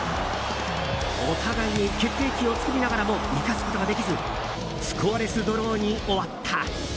お互いに決定機を作りながらも生かすことができずスコアレスドローに終わった。